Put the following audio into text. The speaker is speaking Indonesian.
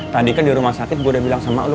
tadi kan di rumah sakit gue udah bilang sama allah